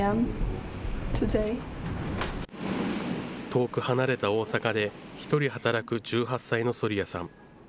遠く離れた大阪で、独り働く１８歳のソリヤさん。